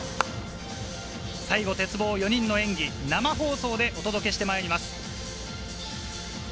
最後の鉄棒、４人の演技、生放送でお届けしてまいります。